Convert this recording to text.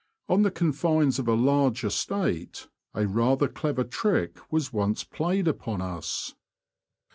On the confines of a large estate a rather clever trick was once played upon us.